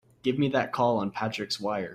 Give me that call on Patrick's wire!